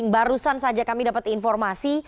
barusan saja kami dapat informasi